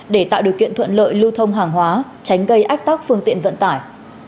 để tạo điều kiện thuận lợi lưu thông hàng hóa tránh gây ách tắc phương tiện vận tải